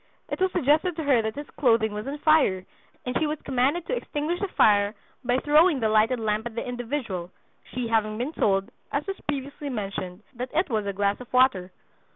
It was suggested to her that his clothing was on fire and she was commanded to extinguish the fire by throwing the lighted lamp at the individual, she having been told, as was previously mentioned, that it was a glass of water.